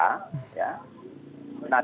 nah tim pencari fakta